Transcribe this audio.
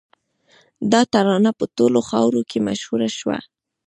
دا ترانه په ټوله خاوره کې مشهوره شوه